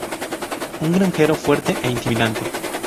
Un granjero fuerte e intimidante.